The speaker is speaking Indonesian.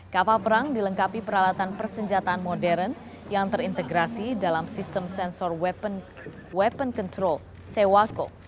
kapal perang dilengkapi peralatan persenjataan modern yang terintegrasi dalam sistem sensor weapon control sewako